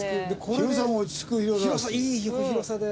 広さも落ち着く広さだし。